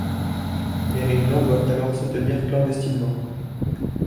Les réunions doivent alors se tenir clandestinement.